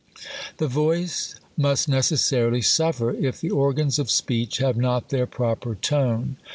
The voice must necessarily suffer, if the organs of speech have not their proper tone.